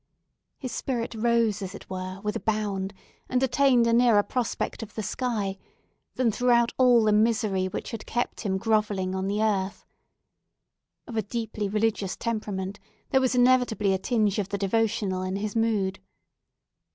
His spirit rose, as it were, with a bound, and attained a nearer prospect of the sky, than throughout all the misery which had kept him grovelling on the earth. Of a deeply religious temperament, there was inevitably a tinge of the devotional in his mood.